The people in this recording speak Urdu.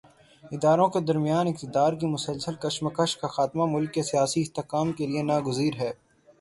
اداروں کے درمیان اقتدار کی مسلسل کشمکش کا خاتمہ، ملک کے سیاسی استحکام کے لیے ناگزیر ہے۔